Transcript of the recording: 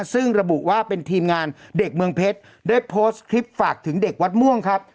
ซึ่งระบุว่าเป็นทีมงานเด็กเมืองเพชรได้โพสต์คลิปฝากถึงเด็กวัดม่วงครับ